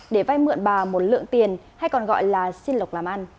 để vay mượn bà một lượng tiền hay còn gọi là xin lộc làm ăn